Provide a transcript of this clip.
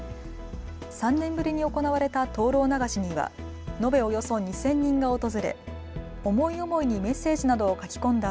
３年ぶりに行われた灯籠流しには延べおよそ２０００人が訪れ思い思いにメッセージなどを書き込んだ